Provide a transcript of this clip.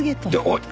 おい！